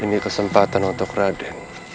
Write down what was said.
ini kesempatan untuk raden